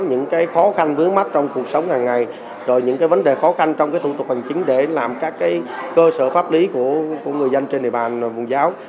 những khó khăn vướng mắt trong cuộc sống hàng ngày rồi những vấn đề khó khăn trong thủ tục hành chính để làm các cơ sở pháp lý của người dân trên địa bàn vùng giáo